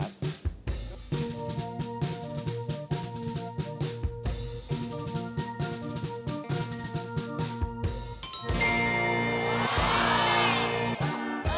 รับทราบ